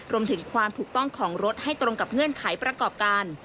รวมถึงความถูกต้องของรถให้ตรงกับเงื่อนไขประกอบการ